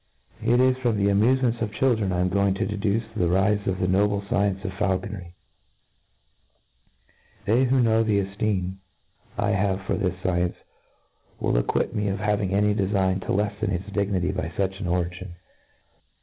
It is from the amufements of children I am go ing to deduce the rife of the noble fcience of faulconry; They who know the efteem I have for this fcience will acquit me of having any de^ fign to leffen its dignity by fuch an origin.